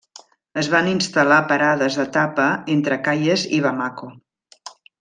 Es van instal·lar parades d’etapa entre Kayes i Bamako.